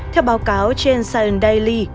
theo báo cáo trên science daily